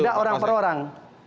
tidak orang per orang